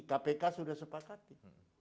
kpk sudah sepakati